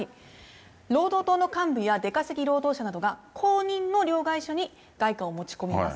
労働党の幹部や出稼ぎ労働者などが、公認の両替所に外貨を持ち込みます。